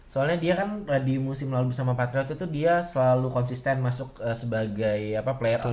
soalnya dia kan di musim lalu bersama patriot itu dia selalu konsisten masuk sebagai player